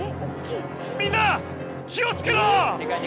・みんな気をつけろ！